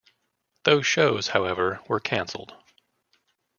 Those shows, however, were cancelled.